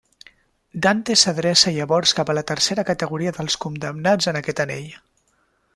Dante s'adreça llavors cap a la tercera categoria dels condemnats en aquest anell.